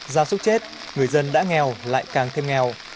gia súc chết người dân đã nghèo lại càng thêm nghèo